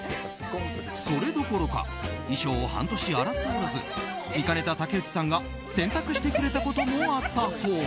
それどころか衣装を半年洗っておらず見かねた竹内さんが洗濯してくれたこともあったそう。